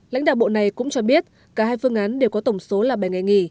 lãnh đạo bộ này cũng cho biết cả hai phương án đều có tổng số là bảy ngày nghỉ